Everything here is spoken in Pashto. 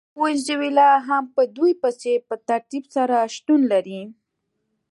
وینزویلا هم په دوی پسې په ترتیب سره شتون لري.